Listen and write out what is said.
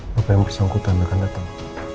bapak yang mau bisa angkutan mereka datang